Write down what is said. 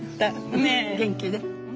ねえ元気で。